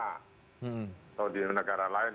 atau di negara lain